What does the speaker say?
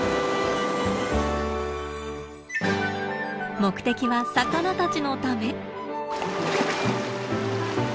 目的は魚たちのため。